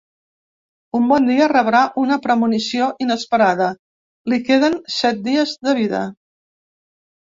Un bon dia, rebrà una premonició inesperada: li queden set dies de vida.